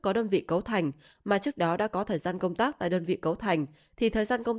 có đơn vị cấu thành mà trước đó đã có thời gian công tác tại đơn vị cấu thành thì thời gian công